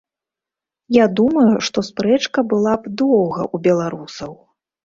Я думаю, што спрэчка была б доўга ў беларусаў.